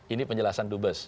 ini penjelasan dubes